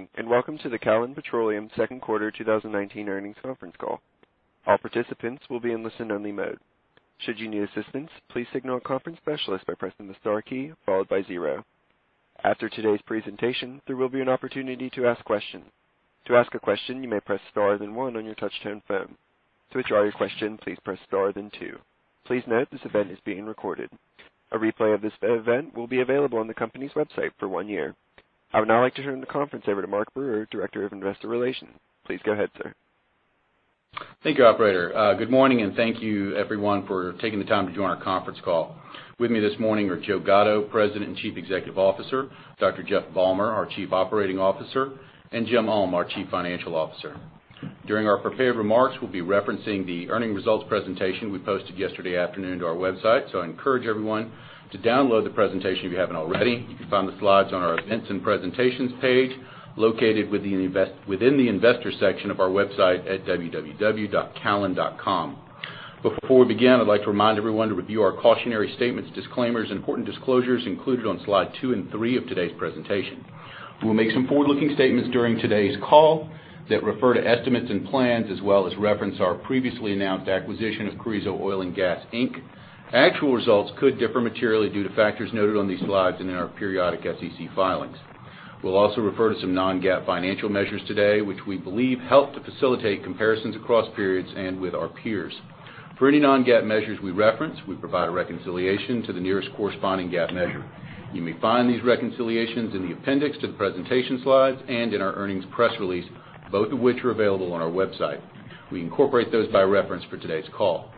Good morning, and welcome to the Callon Petroleum second quarter 2019 earnings conference call. All participants will be in listen-only mode. Should you need assistance, please signal a conference specialist by pressing the star key, followed by zero. After today's presentation, there will be an opportunity to ask questions. To ask a question, you may press star, then one on your touch-tone phone. To withdraw your question, please press star, then two. Please note this event is being recorded. A replay of this event will be available on the company's website for one year. I would now like to turn the conference over to Mark Brewer, Director of Investor Relations. Please go ahead, sir. Thank you, operator. Good morning, and thank you everyone for taking the time to join our conference call. With me this morning are Joe Gatto, President and Chief Executive Officer, Dr. Jeff Balmer, our Chief Operating Officer, and Jim Ulm, our Chief Financial Officer. During our prepared remarks, we'll be referencing the earning results presentation we posted yesterday afternoon to our website, so I encourage everyone to download the presentation, if you haven't already. You can find the slides on our Events and Presentations page, located within the Investor section of our website at www.callon.com. Before we begin, I'd like to remind everyone to review our cautionary statements, disclaimers, and important disclosures included on slide two and three of today's presentation. We'll make some forward-looking statements during today's call that refer to estimates and plans, as well as reference our previously announced acquisition of Carrizo Oil & Gas, Inc. Actual results could differ materially due to factors noted on these slides and in our periodic SEC filings. We'll also refer to some non-GAAP financial measures today, which we believe help to facilitate comparisons across periods and with our peers. For any non-GAAP measures we reference, we provide a reconciliation to the nearest corresponding GAAP measure. You may find these reconciliations in the appendix to the presentation slides and in our earnings press release, both of which are available on our website. We incorporate those by reference for today's call.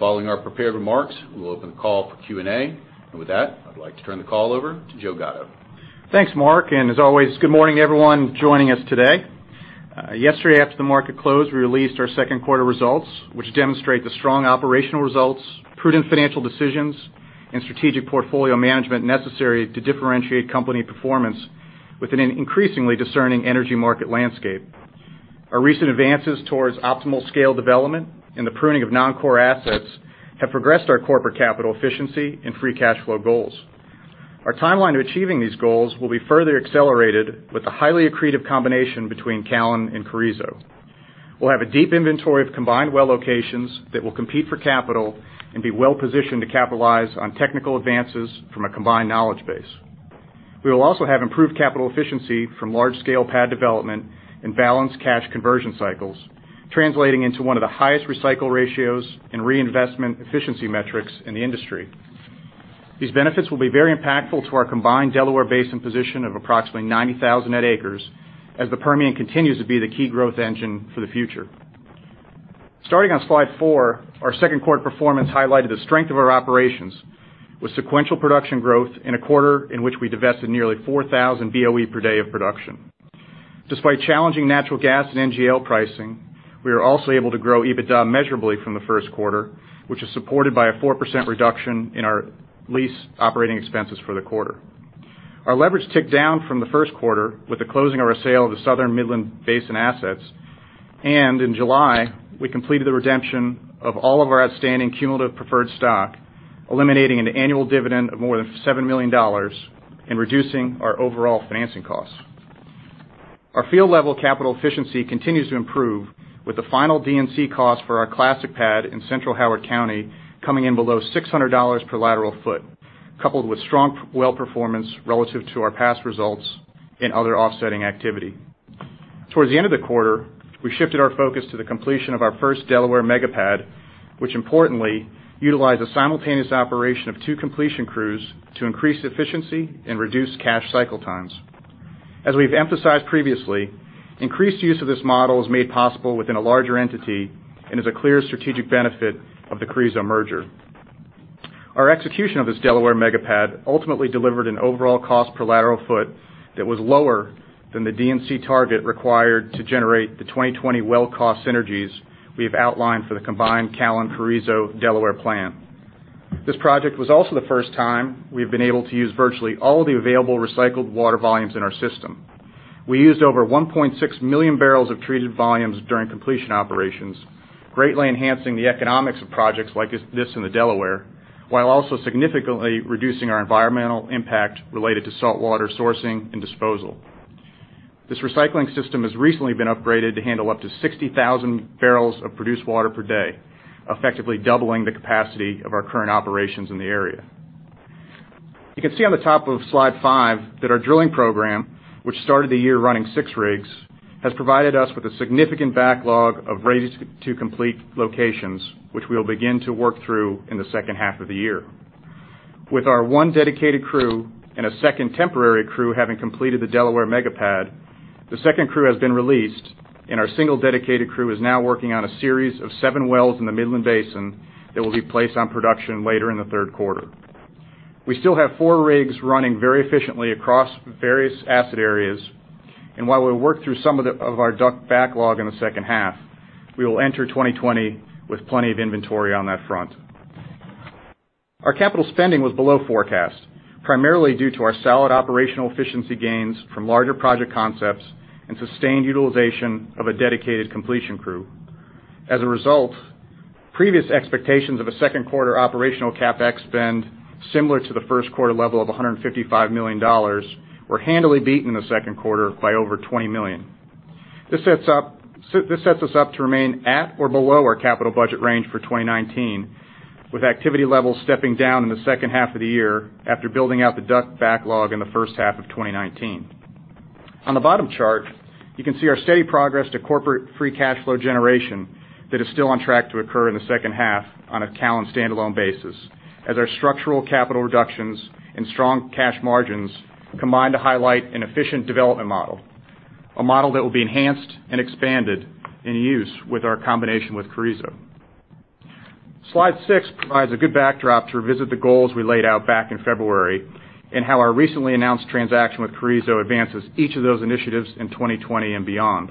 Following our prepared remarks, we will open the call for Q&A. With that, I'd like to turn the call over to Joe Gatto. Thanks, Mark. As always, good morning everyone joining us today. Yesterday, after the market closed, we released our second quarter results, which demonstrate the strong operational results, prudent financial decisions, and strategic portfolio management necessary to differentiate company performance within an increasingly discerning energy market landscape. Our recent advances towards optimal scale development and the pruning of non-core assets have progressed our corporate capital efficiency and free cash flow goals. Our timeline to achieving these goals will be further accelerated with the highly accretive combination between Callon and Carrizo. We'll have a deep inventory of combined well locations that will compete for capital and be well-positioned to capitalize on technical advances from a combined knowledge base. We will also have improved capital efficiency from large-scale pad development and balanced cash conversion cycles, translating into one of the highest recycle ratios and reinvestment efficiency metrics in the industry. These benefits will be very impactful to our combined Delaware Basin position of approximately 90,000 net acres, as the Permian continues to be the key growth engine for the future. Starting on slide four, our second quarter performance highlighted the strength of our operations, with sequential production growth in a quarter in which we divested nearly 4,000 Boe per day of production. Despite challenging natural gas and NGL pricing, we were also able to grow EBITDA measurably from the first quarter, which is supported by a 4% reduction in our lease operating expenses for the quarter. Our leverage ticked down from the first quarter with the closing of our sale of the Southern Midland Basin assets. In July, we completed the redemption of all of our outstanding cumulative preferred stock, eliminating an annual dividend of more than $7 million and reducing our overall financing costs. Our field level capital efficiency continues to improve with the final D&C cost for our classic pad in central Howard County coming in below $600 per lateral foot, coupled with strong well performance relative to our past results and other offsetting activity. Towards the end of the quarter, we shifted our focus to the completion of our first Delaware mega pad, which importantly utilized a simultaneous operation of two completion crews to increase efficiency and reduce cash cycle times. As we've emphasized previously, increased use of this model is made possible within a larger entity and is a clear strategic benefit of the Carrizo merger. Our execution of this Delaware mega pad ultimately delivered an overall cost per lateral foot that was lower than the D&C target required to generate the 2020 well cost synergies we have outlined for the combined Callon-Carrizo Delaware plan. This project was also the first time we've been able to use virtually all of the available recycled water volumes in our system. We used over 1.6 million barrels of treated volumes during completion operations, greatly enhancing the economics of projects like this in the Delaware, while also significantly reducing our environmental impact related to saltwater sourcing and disposal. This recycling system has recently been upgraded to handle up to 60,000 barrels of produced water per day, effectively doubling the capacity of our current operations in the area. You can see on the top of slide five that our drilling program, which started the year running six rigs, has provided us with a significant backlog of ready-to-complete locations, which we'll begin to work through in the second half of the year. With our one dedicated crew and a second temporary crew having completed the Delaware mega pad, the second crew has been released, and our single dedicated crew is now working on a series of seven wells in the Midland Basin that will be placed on production later in the third quarter. We still have four rigs running very efficiently across various asset areas, and while we'll work through some of our backlog in the second half, we will enter 2020 with plenty of inventory on that front. Our capital spending was below forecast, primarily due to our solid operational efficiency gains from larger project concepts and sustained utilization of a dedicated completion crew. As a result, previous expectations of a second quarter operational CapEx spend similar to the first quarter level of $155 million were handily beaten in the second quarter by over $20 million. This sets us up to remain at or below our capital budget range for 2019, with activity levels stepping down in the second half of the year after building out the DUC backlog in the first half of 2019. On the bottom chart, you can see our steady progress to corporate free cash flow generation that is still on track to occur in the second half on a Callon standalone basis as our structural capital reductions and strong cash margins combine to highlight an efficient development model, a model that will be enhanced and expanded in use with our combination with Carrizo. Slide six provides a good backdrop to revisit the goals we laid out back in February. How our recently announced transaction with Carrizo advances each of those initiatives in 2020 and beyond.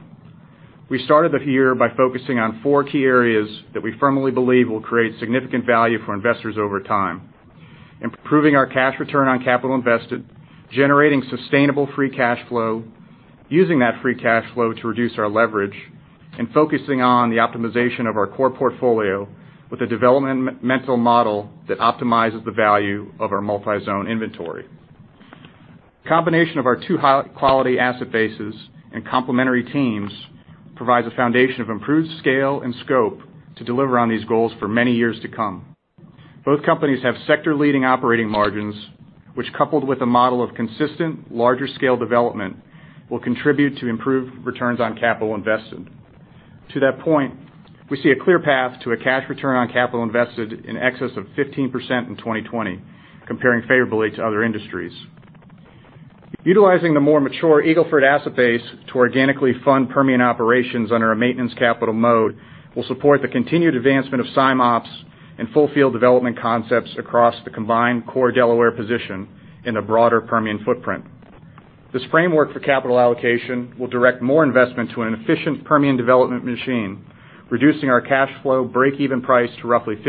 We started the year by focusing on four key areas that we firmly believe will create significant value for investors over time. Improving our cash return on capital invested, generating sustainable free cash flow, using that free cash flow to reduce our leverage, and focusing on the optimization of our core portfolio with a developmental model that optimizes the value of our multi-zone inventory. Combination of our two high-quality asset bases and complementary teams provides a foundation of improved scale and scope to deliver on these goals for many years to come. Both companies have sector leading operating margins, which, coupled with a model of consistent larger scale development, will contribute to improved returns on capital invested. To that point, we see a clear path to a cash return on capital invested in excess of 15% in 2020, comparing favorably to other industries. Utilizing the more mature Eagle Ford asset base to organically fund Permian operations under a maintenance capital mode will support the continued advancement of SimOps and full field development concepts across the combined core Delaware position in a broader Permian footprint. This framework for capital allocation will direct more investment to an efficient Permian development machine, reducing our cash flow breakeven price to roughly $50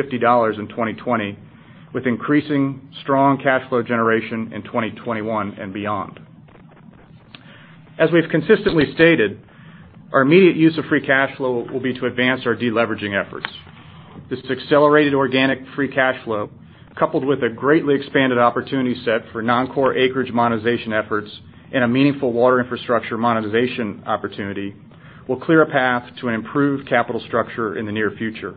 in 2020, with increasing strong cash flow generation in 2021 and beyond. As we've consistently stated, our immediate use of free cash flow will be to advance our de-leveraging efforts. This accelerated organic free cash flow, coupled with a greatly expanded opportunity set for non-core acreage monetization efforts and a meaningful water infrastructure monetization opportunity, will clear a path to an improved capital structure in the near future.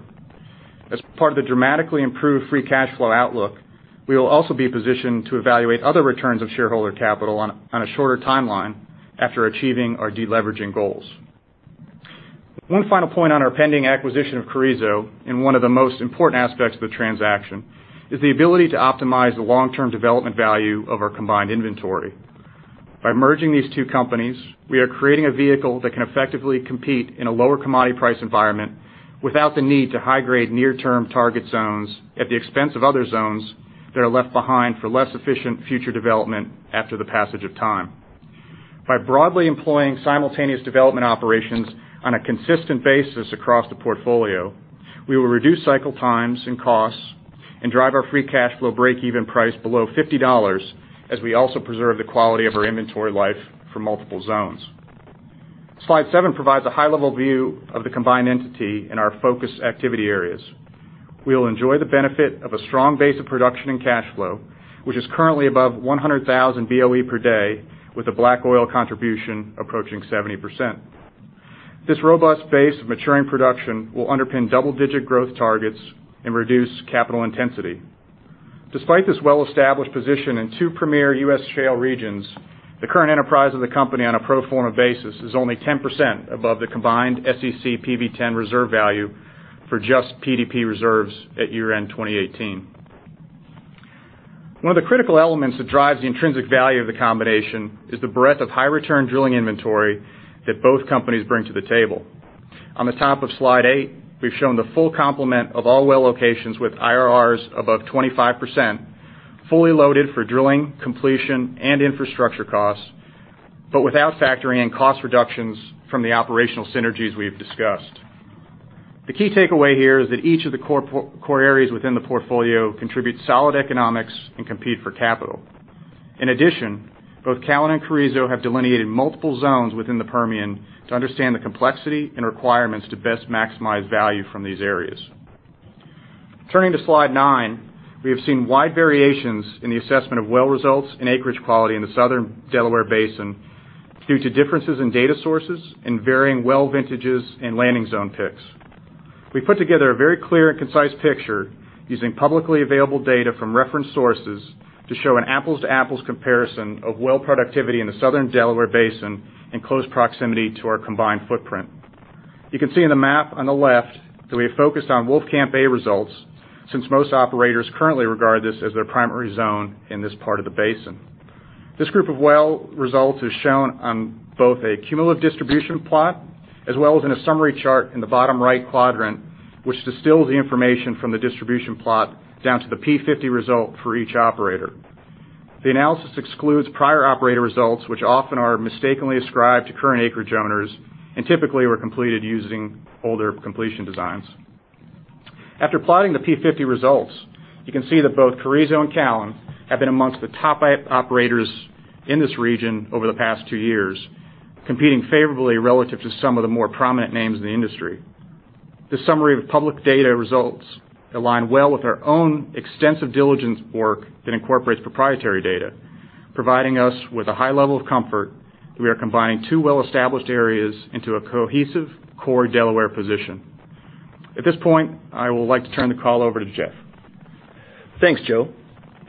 As part of the dramatically improved free cash flow outlook, we will also be positioned to evaluate other returns of shareholder capital on a shorter timeline after achieving our de-leveraging goals. One final point on our pending acquisition of Carrizo, and one of the most important aspects of the transaction, is the ability to optimize the long-term development value of our combined inventory. By merging these two companies, we are creating a vehicle that can effectively compete in a lower commodity price environment without the need to high-grade near-term target zones at the expense of other zones that are left behind for less efficient future development after the passage of time. By broadly employing simultaneous development operations on a consistent basis across the portfolio, we will reduce cycle times and costs and drive our free cash flow breakeven price below $50 as we also preserve the quality of our inventory life for multiple zones. Slide seven provides a high-level view of the combined entity in our focus activity areas. We will enjoy the benefit of a strong base of production and cash flow, which is currently above 100,000 Boe per day with a black oil contribution approaching 70%. This robust base of maturing production will underpin double-digit growth targets and reduce capital intensity. Despite this well-established position in two premier U.S. shale regions, the current enterprise of the company on a pro forma basis is only 10% above the combined SEC PV-10 reserve value for just PDP reserves at year-end 2018. One of the critical elements that drives the intrinsic value of the combination is the breadth of high return drilling inventory that both companies bring to the table. On the top of slide eight, we've shown the full complement of all well locations with IRRs above 25%, fully loaded for drilling, completion, and infrastructure costs, but without factoring in cost reductions from the operational synergies we have discussed. The key takeaway here is that each of the core areas within the portfolio contribute solid economics and compete for capital. In addition, both Callon and Carrizo have delineated multiple zones within the Permian to understand the complexity and requirements to best maximize value from these areas. Turning to slide nine, we have seen wide variations in the assessment of well results and acreage quality in the Southern Delaware Basin due to differences in data sources and varying well vintages and landing zone picks. We put together a very clear and concise picture using publicly available data from reference sources to show an apples-to-apples comparison of well productivity in the Southern Delaware Basin in close proximity to our combined footprint. You can see in the map on the left that we have focused on Wolfcamp A results, since most operators currently regard this as their primary zone in this part of the basin. This group of well results is shown on both a cumulative distribution plot as well as in a summary chart in the bottom right quadrant, which distills the information from the distribution plot down to the P50 result for each operator. The analysis excludes prior operator results, which often are mistakenly ascribed to current acreage owners and typically were completed using older completion designs. After plotting the P50 results, you can see that both Carrizo and Callon have been amongst the top operators in this region over the past two years, competing favorably relative to some of the more prominent names in the industry. This summary of public data results align well with our own extensive diligence work that incorporates proprietary data, providing us with a high level of comfort that we are combining two well-established areas into a cohesive core Delaware position. At this point, I will like to turn the call over to Jeff. Thanks, Joe.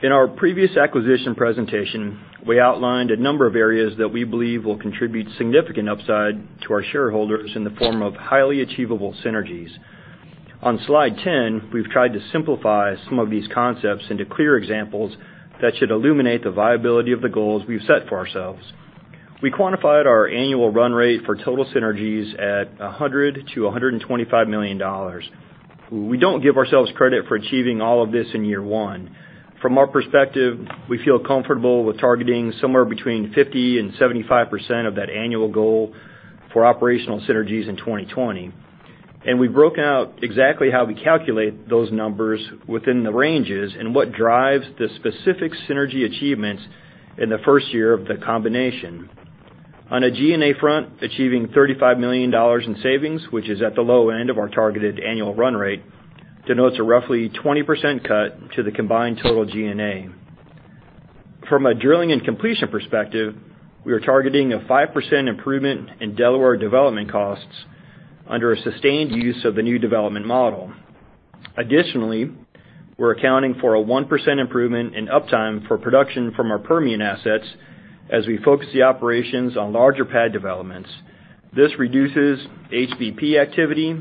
In our previous acquisition presentation, we outlined a number of areas that we believe will contribute significant upside to our shareholders in the form of highly achievable synergies. On slide 10, we've tried to simplify some of these concepts into clear examples that should illuminate the viability of the goals we've set for ourselves. We quantified our annual run rate for total synergies at $100 million-$125 million. We don't give ourselves credit for achieving all of this in year one. From our perspective, we feel comfortable with targeting somewhere between 50% and 75% of that annual goal for operational synergies in 2020. We've broken out exactly how we calculate those numbers within the ranges and what drives the specific synergy achievements in the first year of the combination. On a G&A front, achieving $35 million in savings, which is at the low end of our targeted annual run rate, denotes a roughly 20% cut to the combined total G&A. From a drilling and completion perspective, we are targeting a 5% improvement in Delaware development costs under a sustained use of the new development model. Additionally, we're accounting for a 1% improvement in uptime for production from our Permian assets as we focus the operations on larger pad developments. This reduces HBP activity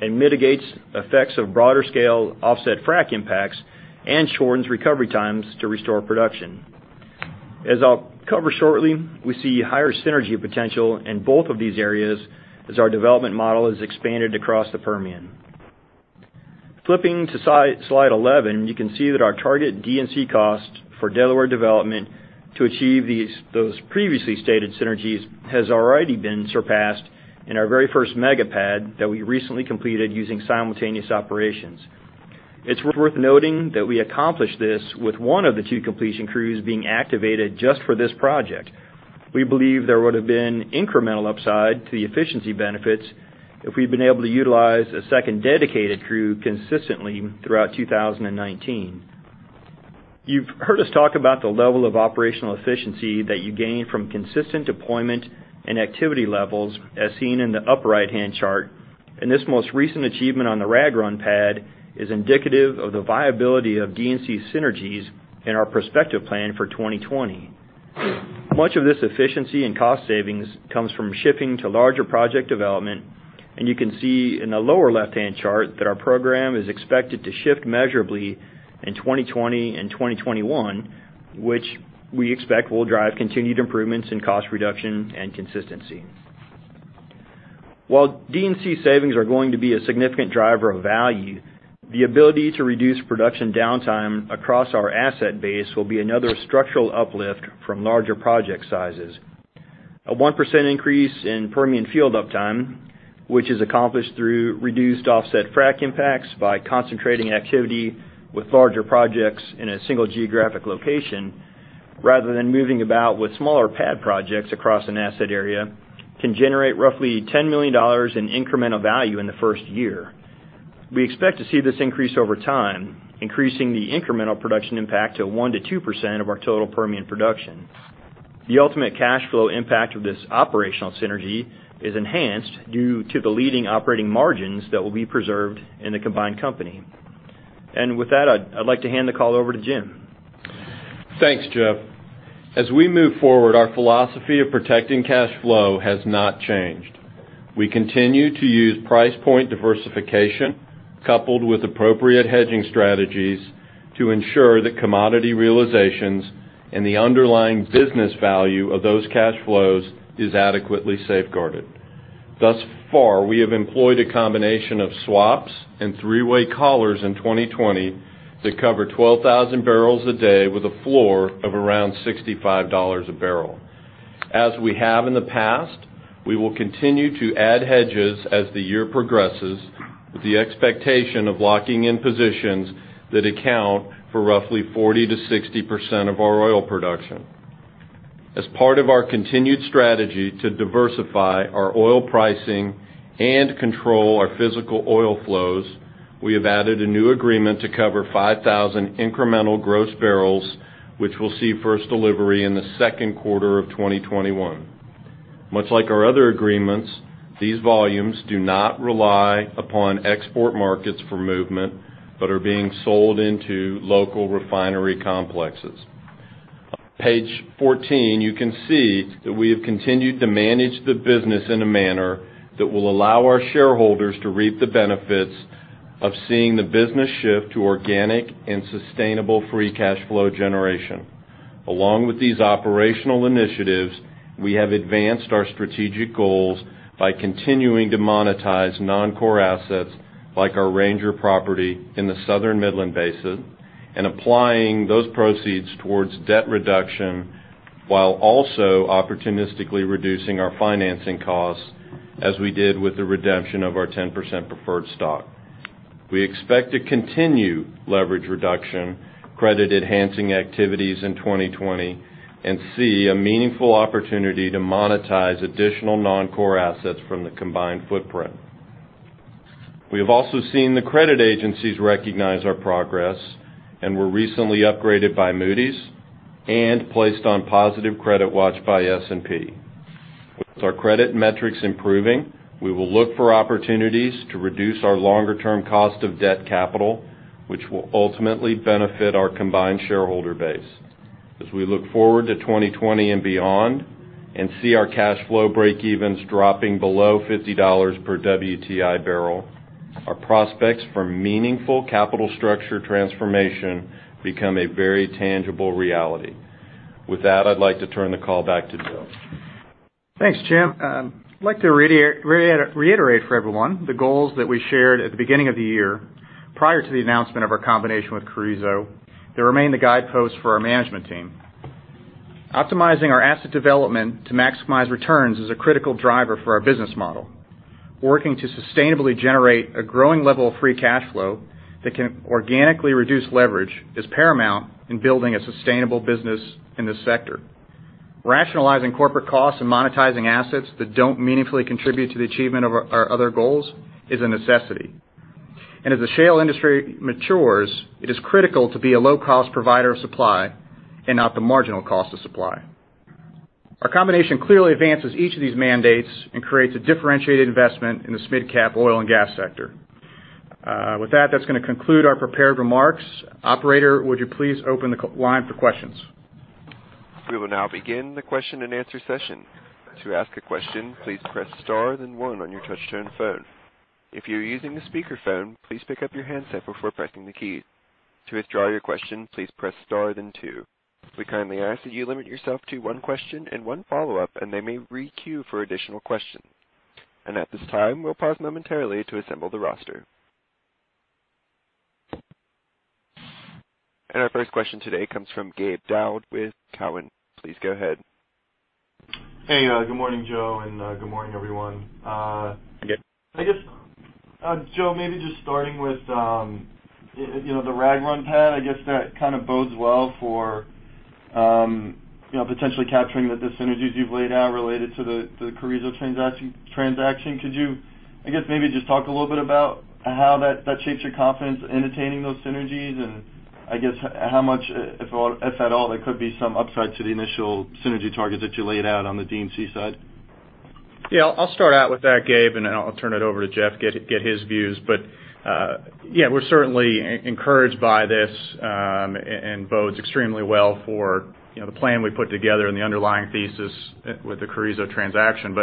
and mitigates effects of broader scale offset frac impacts and shortens recovery times to restore production. As I'll cover shortly, we see higher synergy potential in both of these areas as our development model has expanded across the Permian. Flipping to slide 11, you can see that our target D&C cost for Delaware development to achieve those previously stated synergies has already been surpassed in our very first mega pad that we recently completed using simultaneous operations. It's worth noting that we accomplished this with one of the two completion crews being activated just for this project. We believe there would've been incremental upside to the efficiency benefits if we'd been able to utilize a second dedicated crew consistently throughout 2019. This most recent achievement on the Rag Run pad is indicative of the viability of D&C synergies in our prospective plan for 2020. Much of this efficiency and cost savings comes from shifting to larger project development, and you can see in the lower left-hand chart that our program is expected to shift measurably in 2020 and 2021, which we expect will drive continued improvements in cost reduction and consistency. While D&C savings are going to be a significant driver of value, the ability to reduce production downtime across our asset base will be another structural uplift from larger project sizes. A 1% increase in Permian field uptime, which is accomplished through reduced offset frac impacts by concentrating activity with larger projects in a single geographic location rather than moving about with smaller pad projects across an asset area, can generate roughly $10 million in incremental value in the first year. We expect to see this increase over time, increasing the incremental production impact to 1%-2% of our total Permian production. The ultimate cash flow impact of this operational synergy is enhanced due to the leading operating margins that will be preserved in the combined company. With that, I'd like to hand the call over to Jim. Thanks, Jeff. As we move forward, our philosophy of protecting cash flow has not changed. We continue to use price point diversification coupled with appropriate hedging strategies to ensure that commodity realizations and the underlying business value of those cash flows is adequately safeguarded. Thus far, we have employed a combination of swaps and three-way collars in 2020 that cover 12,000 barrels a day with a floor of around $65 a barrel. As we have in the past, we will continue to add hedges as the year progresses with the expectation of locking in positions that account for roughly 40%-60% of our oil production. As part of our continued strategy to diversify our oil pricing and control our physical oil flows, we have added a new agreement to cover 5,000 incremental gross barrels, which will see first delivery in the second quarter of 2021. Much like our other agreements, these volumes do not rely upon export markets for movement, but are being sold into local refinery complexes. On page 14, you can see that we have continued to manage the business in a manner that will allow our shareholders to reap the benefits of seeing the business shift to organic and sustainable free cash flow generation. Along with these operational initiatives, we have advanced our strategic goals by continuing to monetize non-core assets like our Ranger property in the Southern Midland Basin. Applying those proceeds towards debt reduction while also opportunistically reducing our financing costs, as we did with the redemption of our 10% preferred stock. We expect to continue leverage reduction, credit enhancing activities in 2020, and see a meaningful opportunity to monetize additional non-core assets from the combined footprint. We have also seen the credit agencies recognize our progress and were recently upgraded by Moody's and placed on positive credit watch by S&P. With our credit metrics improving, we will look for opportunities to reduce our longer-term cost of debt capital, which will ultimately benefit our combined shareholder base. As we look forward to 2020 and beyond and see our cash flow breakevens dropping below $50 per WTI barrel, our prospects for meaningful capital structure transformation become a very tangible reality. With that, I'd like to turn the call back to Joe. Thanks, Jim. I'd like to reiterate for everyone the goals that we shared at the beginning of the year prior to the announcement of our combination with Carrizo, they remain the guideposts for our management team. Optimizing our asset development to maximize returns is a critical driver for our business model. Working to sustainably generate a growing level of free cash flow that can organically reduce leverage is paramount in building a sustainable business in this sector. Rationalizing corporate costs and monetizing assets that don't meaningfully contribute to the achievement of our other goals is a necessity. As the shale industry matures, it is critical to be a low-cost provider of supply and not the marginal cost of supply. Our combination clearly advances each of these mandates and creates a differentiated investment in this mid-cap oil and gas sector. With that's going to conclude our prepared remarks. Operator, would you please open the line for questions? We will now begin the question and answer session. To ask a question, please press star then 1 on your touch-tone phone. If you're using a speakerphone, please pick up your handset before pressing the key. To withdraw your question, please press star then 2. We kindly ask that you limit yourself to one question and one follow-up, and they may re-queue for additional questions. At this time, we'll pause momentarily to assemble the roster. Our first question today comes from Gabe Daoud with Cowen. Please go ahead. Hey, good morning, Joe, and good morning, everyone. Gabe. I guess, Joe, maybe just starting with the Rag Run pad, I guess that bodes well for potentially capturing the synergies you've laid out related to the Carrizo transaction. Could you, I guess maybe just talk a little bit about how that shapes your confidence in attaining those synergies and, I guess, how much, if at all, there could be some upside to the initial synergy target that you laid out on the D&C side? Yeah, I'll start out with that, Gabe, and then I'll turn it over to Jeff, get his views. Yeah, we're certainly encouraged by this and bodes extremely well for the plan we put together and the underlying thesis with the Carrizo transaction.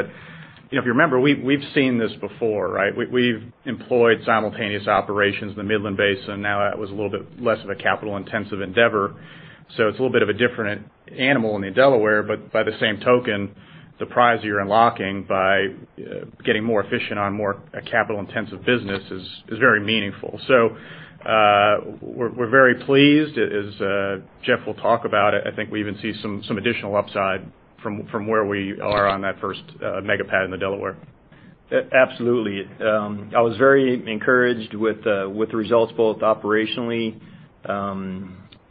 If you remember, we've seen this before, right? We've employed simultaneous operations in the Midland Basin. Now that was a little bit less of a capital-intensive endeavor, so it's a little bit of a different animal in the Delaware. By the same token, the prize you're unlocking by getting more efficient on more a capital-intensive business is very meaningful. We're very pleased. As Jeff will talk about it, I think we even see some additional upside from where we are on that first mega-pad in the Delaware. Absolutely. I was very encouraged with the results, both operationally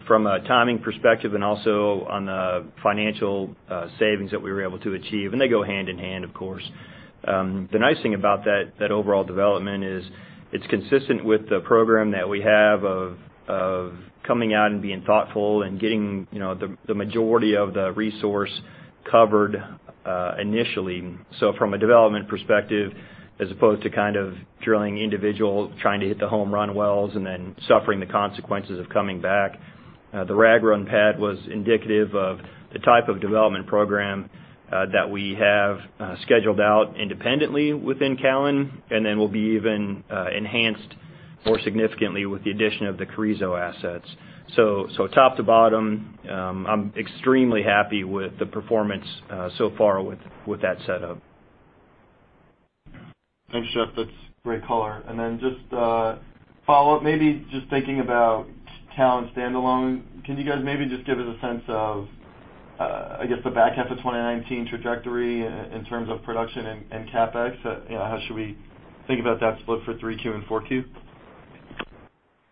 from a timing perspective and also on the financial savings that we were able to achieve. They go hand in hand, of course. The nice thing about that overall development is it's consistent with the program that we have of coming out and being thoughtful and getting the majority of the resource covered initially. From a development perspective, as opposed to kind of drilling individual, trying to hit the home run wells, and then suffering the consequences of coming back. The Rag Run pad was indicative of the type of development program that we have scheduled out independently within Callon, and then will be even enhanced more significantly with the addition of the Carrizo assets. Top to bottom, I'm extremely happy with the performance so far with that setup. Thanks, Jeff. That's great color. Just a follow-up, maybe just thinking about Callon standalone, can you guys maybe just give us a sense of, I guess, the back half of 2019 trajectory in terms of production and CapEx? How should we think about that split for 3Q and 4Q?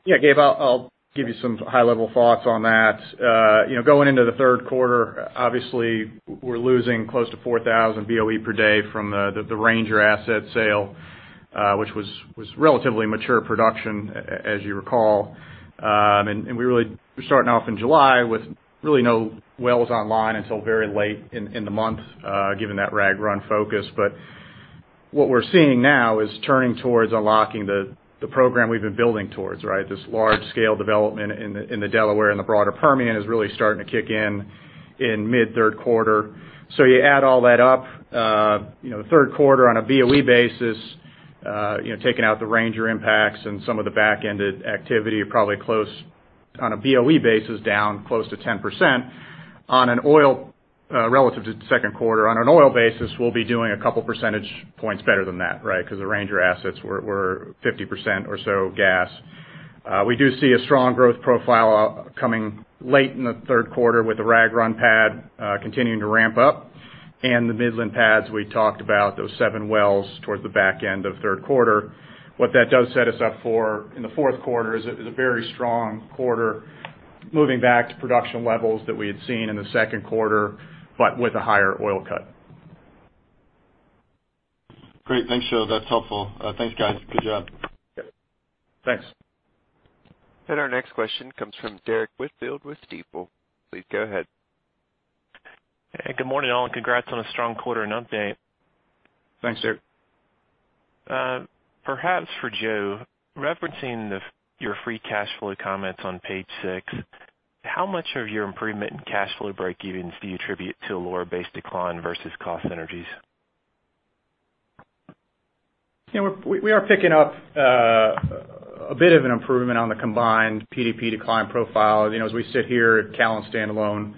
Yeah, Gabe, I'll give you some high-level thoughts on that. Going into the third quarter, obviously, we're losing close to 4,000 Boe per day from the Ranger asset sale, which was relatively mature production, as you recall. We really were starting off in July with really no wells online until very late in the month, given that Rag Run focus. What we're seeing now is turning towards unlocking the program we've been building towards, right? This large-scale development in the Delaware and the broader Permian is really starting to kick in in mid third quarter. You add all that up, third quarter on a Boe basis, taking out the Ranger impacts and some of the back-ended activity are probably close on a Boe basis, down close to 10%. On an oil relative to the second quarter, on an oil basis, we'll be doing a couple percentage points better than that because the Ranger assets were 50% or so gas. We do see a strong growth profile coming late in the third quarter with the Rag Run pad continuing to ramp up and the Midland pads we talked about, those 7 wells towards the back end of third quarter. What that does set us up for in the fourth quarter is a very strong quarter, moving back to production levels that we had seen in the second quarter, but with a higher oil cut. Great. Thanks, Joe. That's helpful. Thanks, guys. Good job. Yep. Thanks. Our next question comes from Derrick Whitfield with Stifel. Please go ahead. Hey. Good morning, all, and congrats on a strong quarter and update. Thanks, Derrick. Perhaps for Joe, referencing your free cash flow comments on page six, how much of your improvement in cash flow breakevens do you attribute to a lower base decline versus cost synergies? We are picking up a bit of an improvement on the combined PDP decline profile. As we sit here at Callon standalone,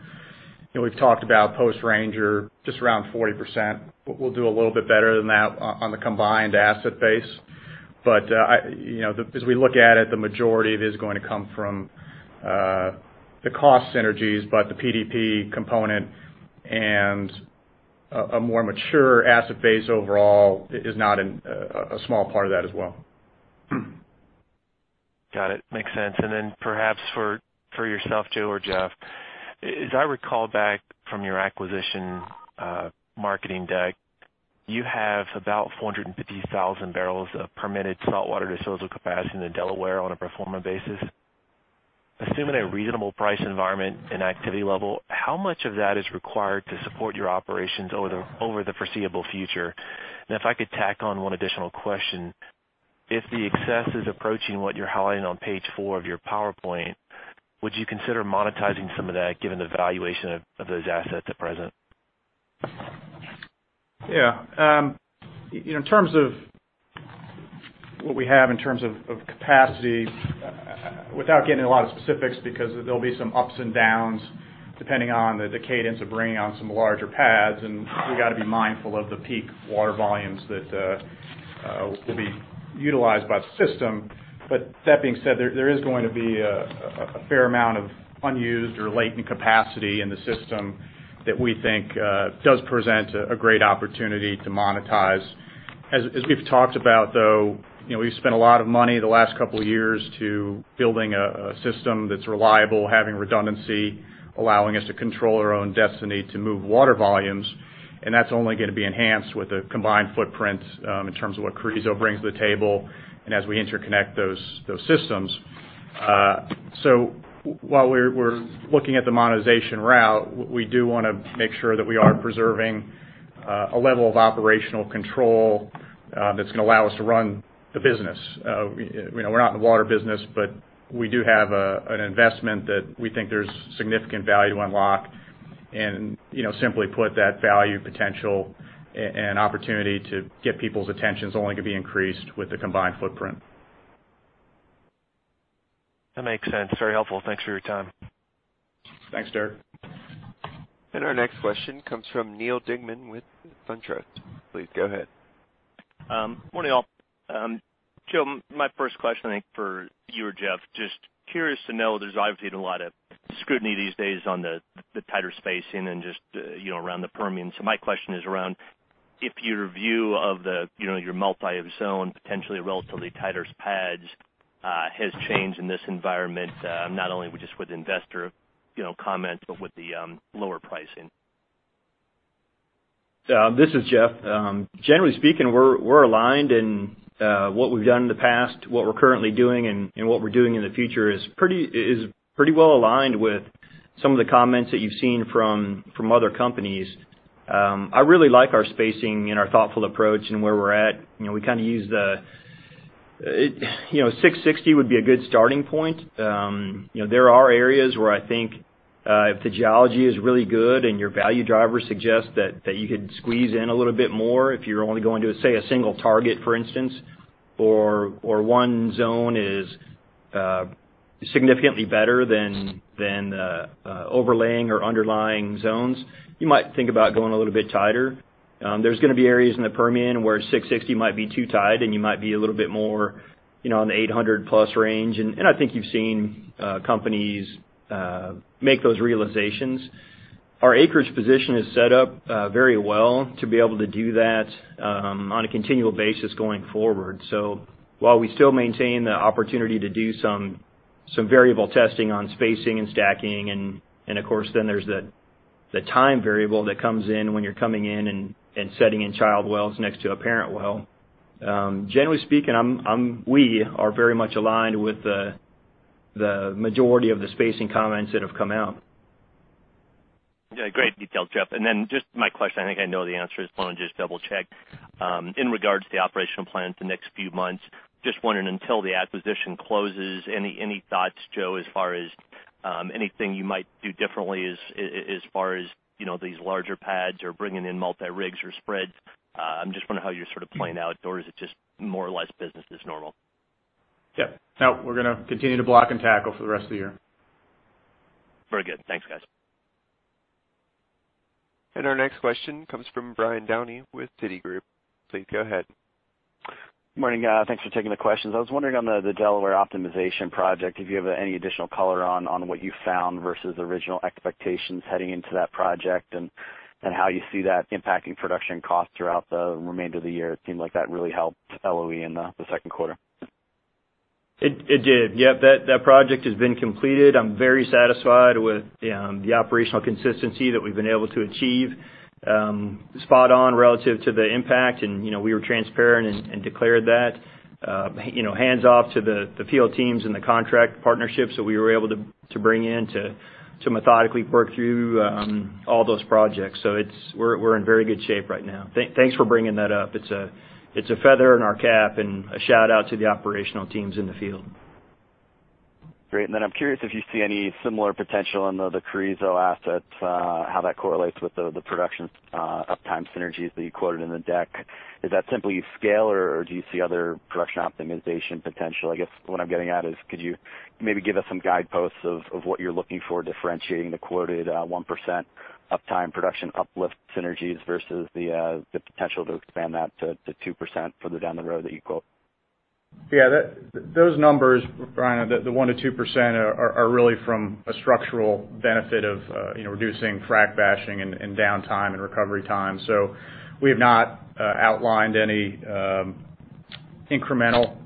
we've talked about post-Ranger, just around 40%. We'll do a little bit better than that on the combined asset base. As we look at it, the majority of it is going to come from the cost synergies. The PDP component and a more mature asset base overall is not a small part of that as well. Got it. Makes sense. Perhaps for yourself, Joe or Jeff, as I recall back from your acquisition marketing deck, you have about 450,000 barrels of permitted saltwater disposal capacity in the Delaware on a pro forma basis. Assuming a reasonable price environment and activity level, how much of that is required to support your operations over the foreseeable future? If I could tack on one additional question, if the excess is approaching what you're highlighting on page four of your PowerPoint, would you consider monetizing some of that given the valuation of those assets at present? In terms of what we have in terms of capacity, without getting a lot of specifics, because there'll be some ups and downs depending on the cadence of bringing on some larger pads, and we've got to be mindful of the peak water volumes that will be utilized by the system. That being said, there is going to be a fair amount of unused or latent capacity in the system that we think does present a great opportunity to monetize. As we've talked about, though, we've spent a lot of money the last couple of years to building a system that's reliable, having redundancy, allowing us to control our own destiny to move water volumes, and that's only going to be enhanced with a combined footprint in terms of what Carrizo brings to the table and as we interconnect those systems. While we're looking at the monetization route, we do want to make sure that we are preserving a level of operational control that's going to allow us to run the business. We're not in the water business, but we do have an investment that we think there's significant value to unlock and, simply put, that value potential and opportunity to get people's attention is only going to be increased with the combined footprint. That makes sense. Very helpful. Thanks for your time. Thanks, Derrick. Our next question comes from Neal Dingmann with SunTrust. Please go ahead. Morning, all. Joe, my first question, I think for you or Jeff, just curious to know, there's obviously been a lot of scrutiny these days on the tighter spacing and just around the Permian. My question is around if your view of your multi-zone, potentially relatively tighter pads has changed in this environment not only just with investor comments, but with the lower pricing. This is Jeff. Generally speaking, we're aligned in what we've done in the past. What we're currently doing and what we're doing in the future is pretty well aligned with some of the comments that you've seen from other companies. I really like our spacing and our thoughtful approach and where we're at. 660 would be a good starting point. There are areas where I think if the geology is really good and your value driver suggests that you could squeeze in a little bit more if you're only going to, say, a single target, for instance, or one zone is significantly better than overlaying or underlying zones, you might think about going a little bit tighter. There's going to be areas in the Permian where 660 might be too tight and you might be a little bit more in the 800-plus range. I think you've seen companies make those realizations. Our acreage position is set up very well to be able to do that on a continual basis going forward. While we still maintain the opportunity to do some variable testing on spacing and stacking, of course, then there's the time variable that comes in when you're coming in and setting in child wells next to a parent well. Generally speaking, we are very much aligned with the majority of the spacing comments that have come out. Yeah, great detail, Jeff. Then just my question, I think I know the answer, just want to double-check. In regards to the operational plan the next few months, just wondering until the acquisition closes, any thoughts, Joe, as far as anything you might do differently as far as these larger pads or bringing in multi-rigs or spreads? I'm just wondering how you're sort of playing out, or is it just more or less business as normal? Yeah. No, we're going to continue to block and tackle for the rest of the year. Very good. Thanks, guys. Our next question comes from Brian Downey with Citigroup. Please go ahead. Morning, guys. Thanks for taking the questions. I was wondering on the Delaware optimization project, if you have any additional color on what you found versus original expectations heading into that project and how you see that impacting production costs throughout the remainder of the year. It seemed like that really helped LOE in the second quarter. It did. Yep, that project has been completed. I'm very satisfied with the operational consistency that we've been able to achieve. Spot on relative to the impact and we were transparent and declared that. Hands off to the field teams and the contract partnerships that we were able to bring in to methodically work through all those projects. We're in very good shape right now. Thanks for bringing that up. It's a feather in our cap and a shout-out to the operational teams in the field. Great. Then I'm curious if you see any similar potential in the Carrizo assets, how that correlates with the production uptime synergies that you quoted in the deck. Is that simply scale, or do you see other production optimization potential? I guess what I'm getting at is, could you maybe give us some guideposts of what you're looking for differentiating the quoted 1% uptime production uplift synergies versus the potential to expand that to 2% further down the road that you quote? Those numbers, Brian, the 1%-2% are really from a structural benefit of reducing frac bashing and downtime and recovery time. We have not outlined any incremental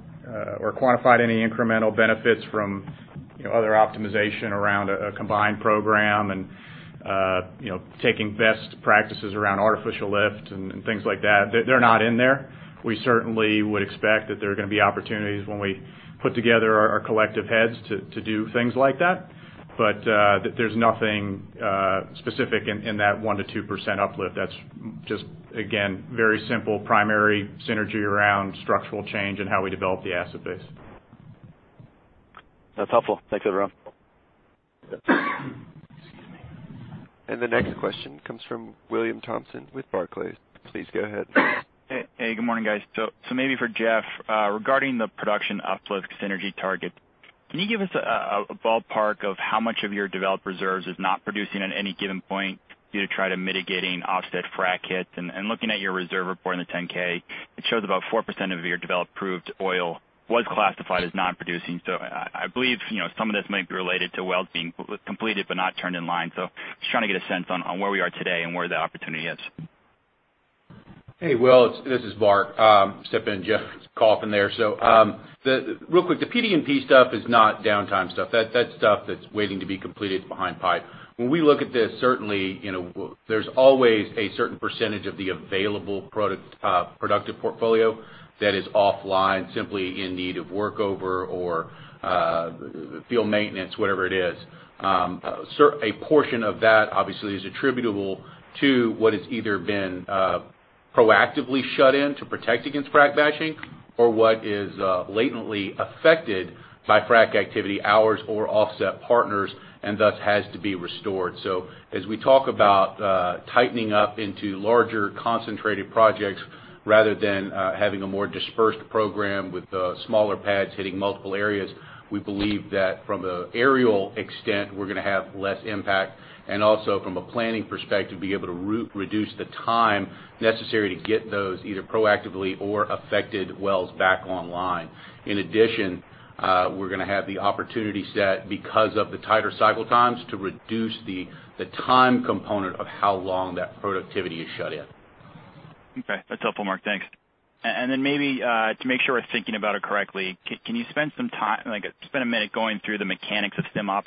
or quantified any incremental benefits from other optimization around a combined program and taking best practices around artificial lift and things like that. They're not in there. We certainly would expect that there are going to be opportunities when we put together our collective heads to do things like that. There's nothing specific in that 1%-2% uplift. That's just, again, very simple primary synergy around structural change and how we develop the asset base. That's helpful. Thanks, everyone. Excuse me. The next question comes from William Thompson with Barclays. Please go ahead. Good morning, guys. Maybe for Jeff, regarding the production uplift synergy target, can you give us a ballpark of how much of your developed reserves is not producing at any given point due to mitigating offset frac hits? Looking at your reserve report in the 10-K, it shows about 4% of your developed proved oil was classified as non-producing. I believe some of this might be related to wells being completed but not turned in line. Just trying to get a sense on where we are today and where the opportunity is. Hey, Will, this is Mark. Step in, Jeff's coughing there. Real quick, the PD&P stuff is not downtime stuff. That's stuff that's waiting to be completed behind pipe. When we look at this, certainly, there's always a certain percentage of the available productive portfolio that is offline simply in need of workover or field maintenance, whatever it is. A portion of that obviously is attributable to what has either been proactively shut in to protect against frac bashing or what is latently affected by frac activity hours or offset partners and thus has to be restored. As we talk about tightening up into larger concentrated projects, rather than having a more dispersed program with smaller pads hitting multiple areas, we believe that from the aerial extent, we're going to have less impact and also from a planning perspective, be able to reduce the time necessary to get those either proactively or affected wells back online. In addition, we're going to have the opportunity set because of the tighter cycle times to reduce the time component of how long that productivity is shut in. Okay. That's helpful, Mark. Thanks. Then maybe to make sure we're thinking about it correctly, can you spend a minute going through the mechanics of SimOps?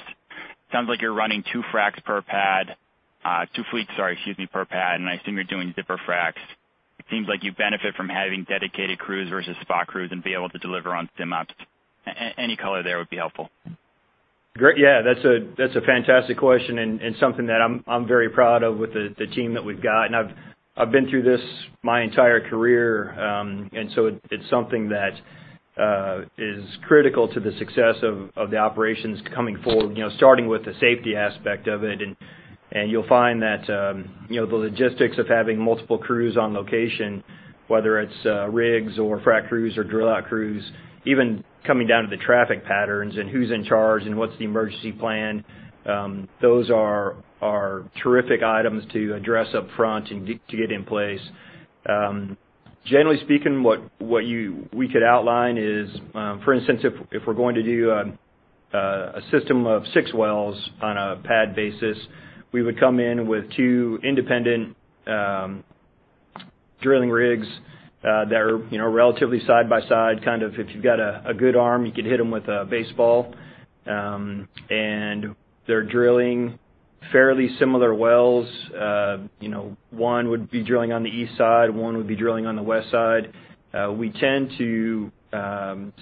Sounds like you're running two fracs per pad, two fleets, sorry, excuse me, per pad, and I assume you're doing zipper fracs. It seems like you benefit from having dedicated crews versus spot crews and be able to deliver on SimOps. Any color there would be helpful. Great. Yeah, that's a fantastic question and something that I'm very proud of with the team that we've got. I've been through this my entire career, so it's something that is critical to the success of the operations coming forward, starting with the safety aspect of it. You'll find that the logistics of having multiple crews on location, whether it's rigs or frac crews or drill out crews, even coming down to the traffic patterns and who's in charge and what's the emergency plan, those are terrific items to address upfront and to get in place. Generally speaking, what we could outline is, for instance, if we're going to do a system of six wells on a pad basis, we would come in with two independent drilling rigs that are relatively side by side, if you've got a good arm, you could hit them with a baseball. They're drilling fairly similar wells. One would be drilling on the east side, one would be drilling on the west side. We tend to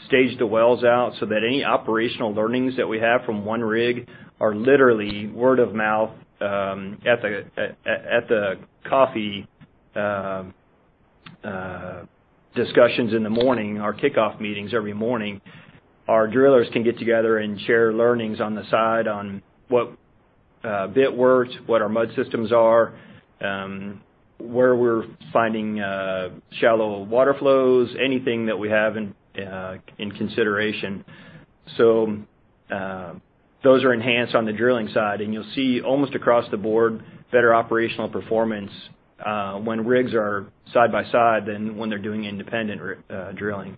stage the wells out so that any operational learnings that we have from one rig are literally word of mouth at the coffee discussions in the morning, our kickoff meetings every morning. Our drillers can get together and share learnings on the side on what a bit worth, what our mud systems are, where we're finding shallow water flows, anything that we have in consideration. Those are enhanced on the drilling side. You'll see almost across the board better operational performance when rigs are side by side than when they're doing independent drilling.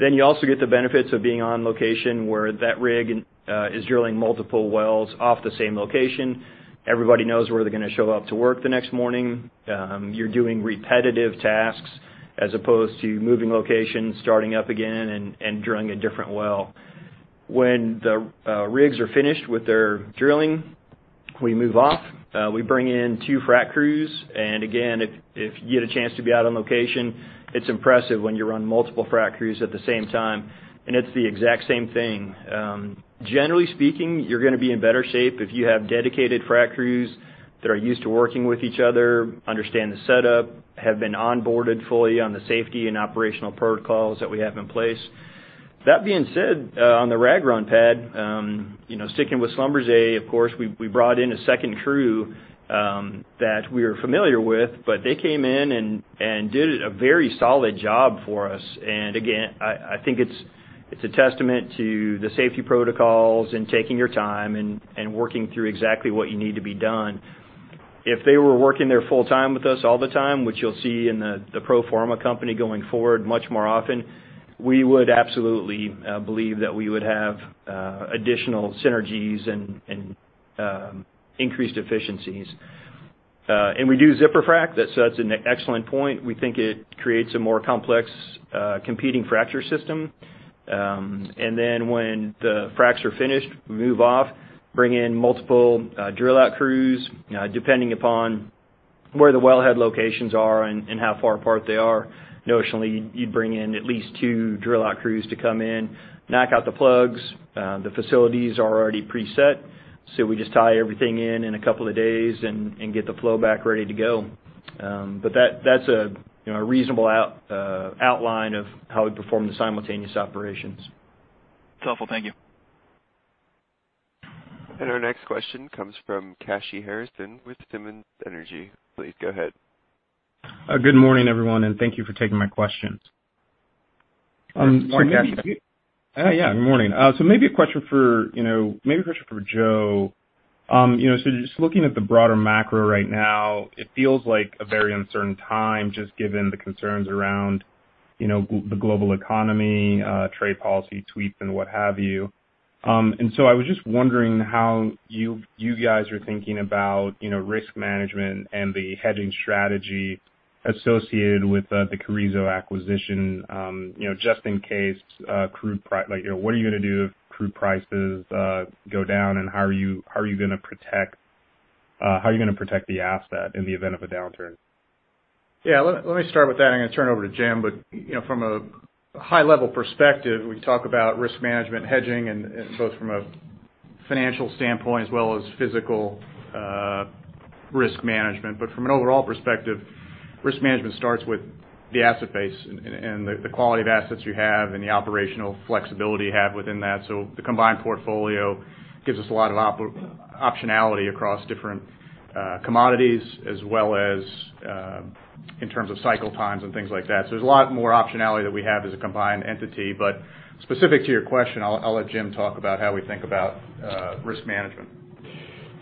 You also get the benefits of being on location where that rig is drilling multiple wells off the same location. Everybody knows where they're going to show up to work the next morning. You're doing repetitive tasks as opposed to moving locations, starting up again, and drilling a different well. When the rigs are finished with their drilling, we move off, we bring in two frac crews. Again, if you get a chance to be out on location, it's impressive when you run multiple frac crews at the same time, and it's the exact same thing. Generally speaking, you're going to be in better shape if you have dedicated frac crews that are used to working with each other, understand the setup, have been onboarded fully on the safety and operational protocols that we have in place. That being said, on the Rag Run pad, sticking with Schlumberger, of course, we brought in a second crew that we're familiar with, but they came in and did a very solid job for us. Again, I think it's a testament to the safety protocols and taking your time and working through exactly what you need to be done. If they were working there full time with us all the time, which you'll see in the pro forma company going forward much more often, we would absolutely believe that we would have additional synergies and increased efficiencies. We do zipper frac. That's an excellent point. We think it creates a more complex competing fracture system. Then when the fracs are finished, we move off, bring in multiple drill out crews. Depending upon where the wellhead locations are and how far apart they are, notionally, you'd bring in at least two drill out crews to come in, knock out the plugs. The facilities are already preset, so we just tie everything in in a couple of days and get the flow back ready to go. That's a reasonable outline of how we perform the simultaneous operations. That's helpful. Thank you. Our next question comes from Kashy Harrison with Simmons Energy. Please go ahead. Good morning, everyone, and thank you for taking my questions. Good morning, Kashy. Yeah, good morning. Maybe a question for Joe. Just looking at the broader macro right now, it feels like a very uncertain time, just given the concerns around the global economy, trade policy tweaks, and what have you. I was just wondering how you guys are thinking about risk management and the hedging strategy associated with the Carrizo acquisition. What are you going to do if crude prices go down, and how are you going to protect the asset in the event of a downturn? Let me start with that, and I'm going to turn it over to Jim. From a high-level perspective, we talk about risk management hedging, both from a financial standpoint as well as physical risk management. From an overall perspective, risk management starts with the asset base and the quality of assets you have and the operational flexibility you have within that. The combined portfolio gives us a lot of optionality across different commodities as well as in terms of cycle times and things like that. There's a lot more optionality that we have as a combined entity. Specific to your question, I'll let Jim talk about how we think about risk management.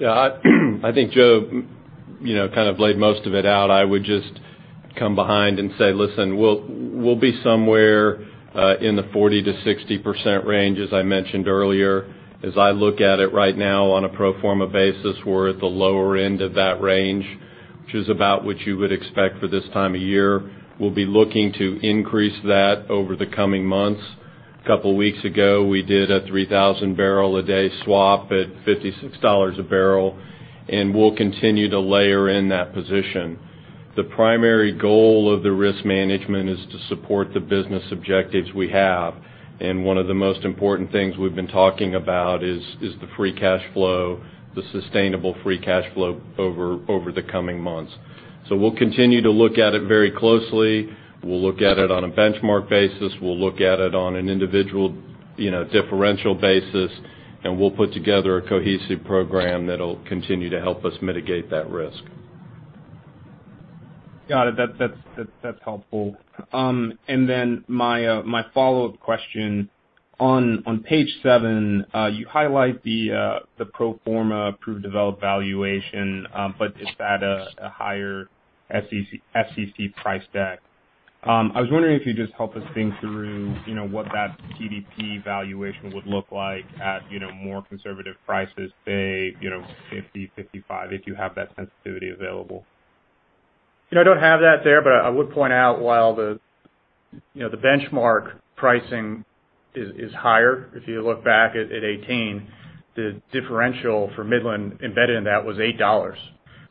I think Joe kind of laid most of it out. I would just come behind and say, listen, we'll be somewhere in the 40%-60% range, as I mentioned earlier. As I look at it right now on a pro forma basis, we're at the lower end of that range, which is about what you would expect for this time of year. We'll be looking to increase that over the coming months. A couple of weeks ago, we did a 3,000-barrel-a-day swap at $56 a barrel, and we'll continue to layer in that position. The primary goal of the risk management is to support the business objectives we have. One of the most important things we've been talking about is the free cash flow, the sustainable free cash flow over the coming months. We'll continue to look at it very closely. We'll look at it on a benchmark basis, we'll look at it on an individual differential basis, and we'll put together a cohesive program that'll continue to help us mitigate that risk. Got it. That's helpful. My follow-up question. On page seven, you highlight the pro forma proved developed valuation, but it's at a higher SEC price deck. I was wondering if you'd just help us think through what that PDP valuation would look like at more conservative prices, say, $50, $55, if you have that sensitivity available. I don't have that there, but I would point out while the benchmark pricing is higher, if you look back at 2018, the differential for Midland embedded in that was $8.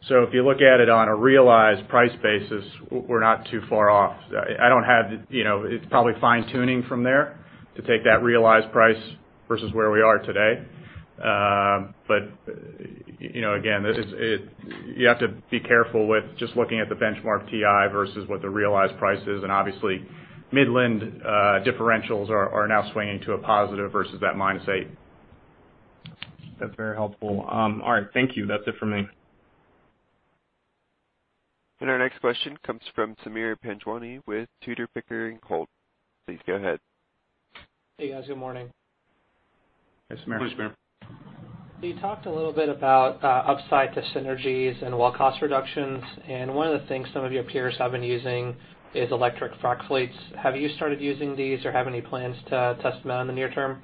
If you look at it on a realized price basis, we're not too far off. It's probably fine-tuning from there to take that realized price versus where we are today. Again, you have to be careful with just looking at the benchmark WTI versus what the realized price is, and obviously, Midland differentials are now swinging to a positive versus that minus 8. That's very helpful. All right. Thank you. That's it for me. Our next question comes from Sameer Panjwani with Tudor, Pickering, Holt. Please go ahead. Hey, guys. Good morning. Hey, Sameer. Hey, Sameer. You talked a little bit about upside to synergies and well cost reductions, and one of the things some of your peers have been using is electric frac fleets. Have you started using these or have any plans to test them out in the near term?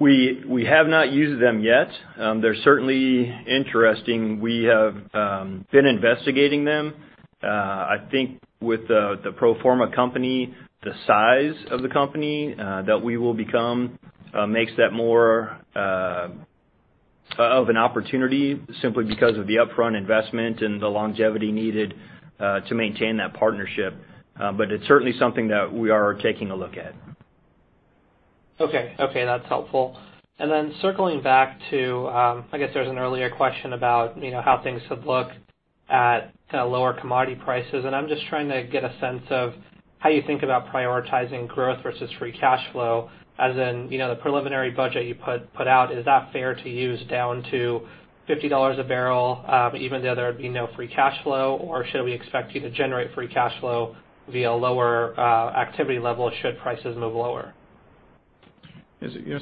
We have not used them yet. They're certainly interesting. We have been investigating them. I think with the pro forma company, the size of the company that we will become makes that more of an opportunity simply because of the upfront investment and the longevity needed to maintain that partnership. It's certainly something that we are taking a look at. Okay. That's helpful. Circling back to, I guess there was an earlier question about how things would look at lower commodity prices, and I'm just trying to get a sense of how you think about prioritizing growth versus free cash flow, as in the preliminary budget you put out, is that fair to use down to $50 a barrel even though there would be no free cash flow, or should we expect you to generate free cash flow via lower activity level should prices move lower?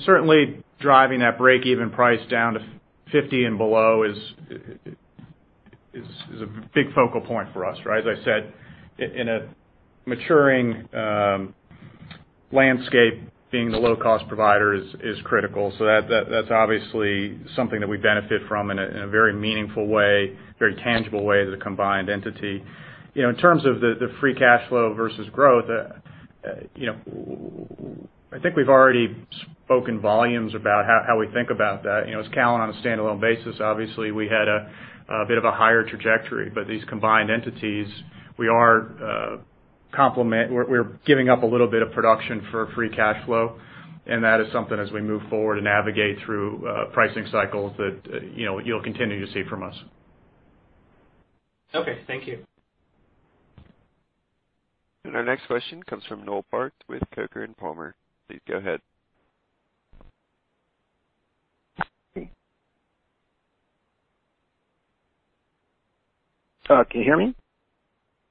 Certainly driving that break-even price down to $50 and below is a big focal point for us, right? As I said, in a maturing landscape, being the low-cost provider is critical. That's obviously something that we benefit from in a very meaningful way, very tangible way as a combined entity. In terms of the free cash flow versus growth, I think we've already spoken volumes about how we think about that. As Callon on a standalone basis, obviously, we had a bit of a higher trajectory, but these combined entities, we're giving up a little bit of production for free cash flow, and that is something as we move forward and navigate through pricing cycles that you'll continue to see from us. Okay, thank you. Our next question comes from Noel Parks with Coker Palmer. Please go ahead. Can you hear me?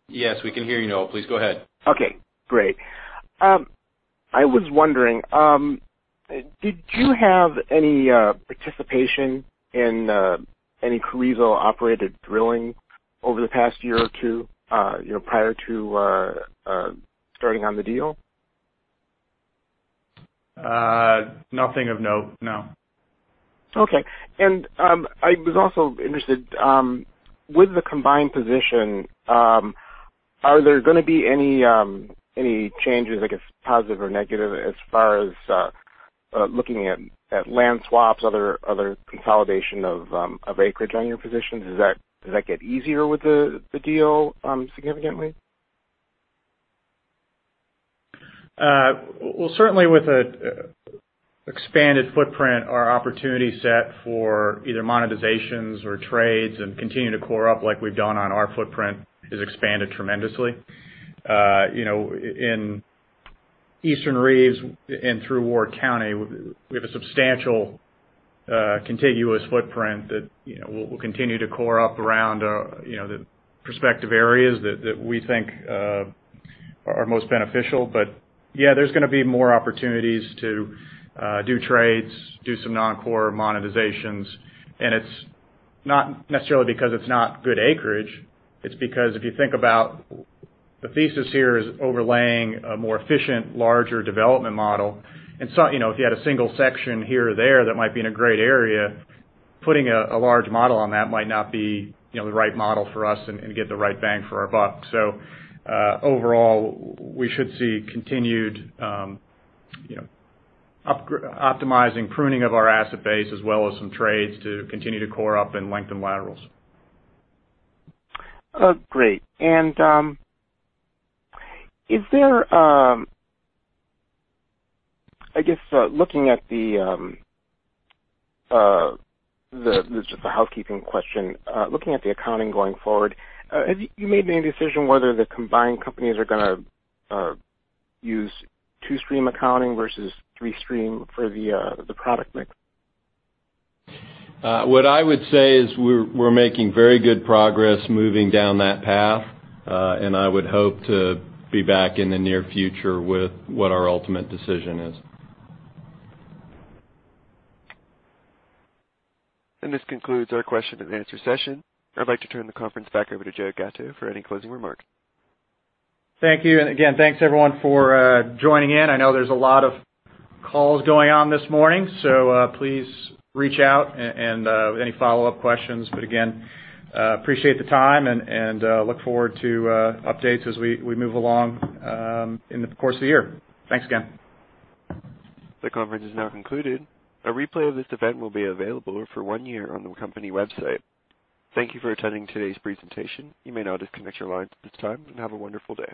Yes, we can hear you, Noel. Please go ahead. Okay, great. I was wondering, did you have any participation in any Carrizo-operated drilling over the past year or two prior to starting on the deal? Nothing of note, no. Okay. I was also interested, with the combined position, are there gonna be any changes, I guess positive or negative, as far as looking at land swaps, other consolidation of acreage on your positions? Does that get easier with the deal significantly? Well, certainly with an expanded footprint, our opportunity set for either monetizations or trades and continue to core up like we've done on our footprint has expanded tremendously. In Eastern Reeves and through Ward County, we have a substantial contiguous footprint that we'll continue to core up around the prospective areas that we think are most beneficial. Yeah, there's gonna be more opportunities to do trades, do some non-core monetizations. It's not necessarily because it's not good acreage. It's because if you think about the thesis here is overlaying a more efficient, larger development model. So if you had a single section here or there that might be in a great area, putting a large model on that might not be the right model for us and get the right bang for our buck. Overall, we should see continued optimizing pruning of our asset base, as well as some trades to continue to core up and lengthen laterals. Great. I guess this is a housekeeping question. Looking at the accounting going forward, have you made any decision whether the combined companies are gonna use two-stream accounting versus three-stream for the product mix? What I would say is we're making very good progress moving down that path. I would hope to be back in the near future with what our ultimate decision is. This concludes our question and answer session. I'd like to turn the conference back over to Joe Gatto for any closing remarks. Thank you. Again, thanks, everyone, for joining in. I know there's a lot of calls going on this morning, so please reach out with any follow-up questions. Again, appreciate the time and look forward to updates as we move along in the course of the year. Thanks again. The conference is now concluded. A replay of this event will be available for one year on the company website. Thank you for attending today's presentation. You may now disconnect your lines at this time, and have a wonderful day.